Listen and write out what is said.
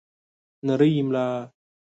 نرۍ ملا